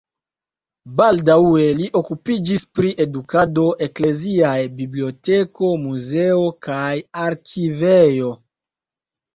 Baldaŭe li okupiĝis pri edukado, ekleziaj biblioteko, muzeo kaj arkivejo.